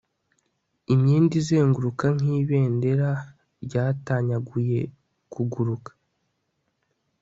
imyenda izunguruka nkibendera ryatanyaguye kuguruka